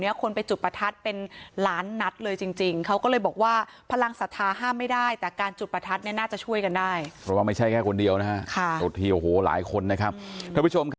เขายังได้รำคัญเสียงที่มันดังขึ้นมันคือมุมพิษล้วนนะครับ